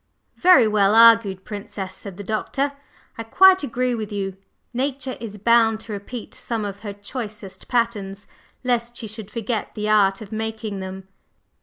"Very well argued, Princess," said the Doctor. "I quite agree with you. Nature is bound to repeat some of her choicest patterns, lest she should forget the art of making them."